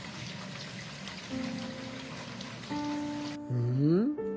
うん？